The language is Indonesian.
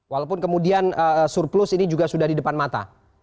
walaupun kemudian surplus ini juga sudah di depan mata